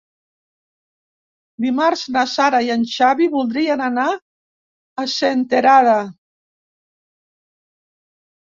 Dimarts na Sara i en Xavi voldrien anar a Senterada.